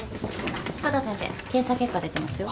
志子田先生検査結果出てますよ。